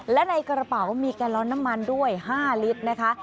และในกระเป๋ามีแกลลอนน้ำมันด้วย๕ลิตรนะคะ